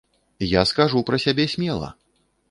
Я скажу пра сябе смела!